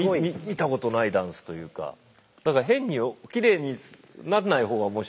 見たことないダンスというか変にきれいになんない方が面白い。